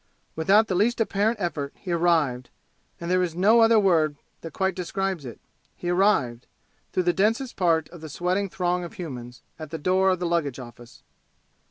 Without the least apparent effort he arrived and there is no other word that quite describes it he arrived, through the densest part of the sweating throng of humans, at the door of the luggage office.